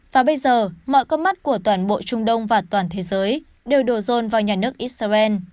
và bây giờ mọi con mắt của toàn bộ trung đông và toàn thế giới đều đổ rôn vào nhà nước israel